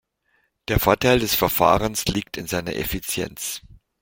Der Vorteil des Verfahrens liegt in seiner Effizienz.